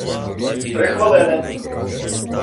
три хвилини!